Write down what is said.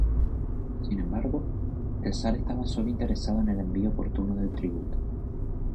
Sin embargo, el zar estaba sólo interesado en el envío oportuno del tributo.